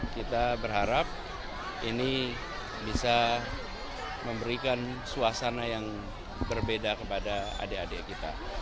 kita berharap ini bisa memberikan suasana yang berbeda kepada adik adik kita